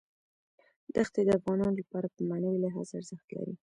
دښتې د افغانانو لپاره په معنوي لحاظ ارزښت لري.